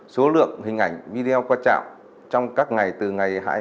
số lượng hình ảnh video qua trạm trong các ngày từ ngày hai mươi